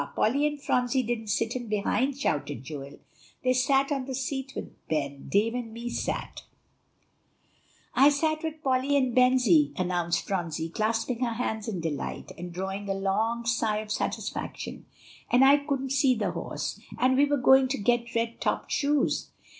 Polly and Phronsie didn't sit in behind," shouted Joel, "they sat on the seat with Ben; Dave and me sat" "I sat with Polly and Bensie," announced Phronsie, clasping her hands in delight, and drawing a long sigh of satisfaction; "and I could see the horse, and we were going to get red topped shoes."